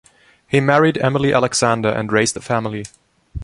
He married Emily Alexander and raised a family.